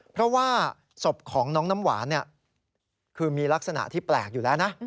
เพราะว่าศพของน้องน้ำหวานคือมีลักษณะที่แปลกอยู่แล้วนะ